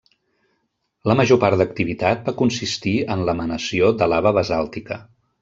La major part d'activitat va consistir en l'emanació de lava basàltica.